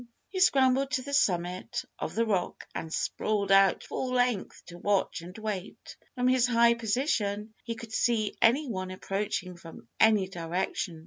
He scrambled to the summit of the rock and sprawled out full length to watch and wait. From his high position, he could see any one approaching from any direction.